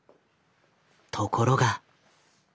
ところが。